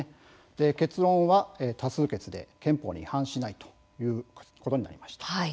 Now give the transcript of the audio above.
結論は多数決で憲法に違反しないということになりました。